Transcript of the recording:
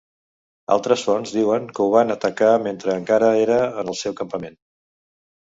Altres fonts diuen que ho van atacar mentre encara era en el seu campament.